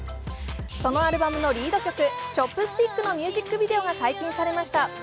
そのアルバムのリード曲「Ｃｈｏｐｓｔｉｃｋ」のミュージックビデオが解禁されました。